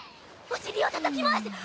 お尻をたたきます！